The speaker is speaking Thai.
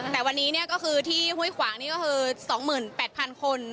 แต่วันนี้ก็คือที่ห้วยขวางนี่ก็คือ๒๘๐๐๐คน